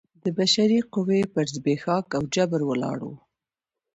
د بشري قوې پر زبېښاک او جبر ولاړ و.